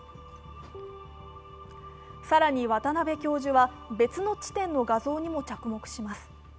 更に渡邉教授は、別の地点の画像にも着目します。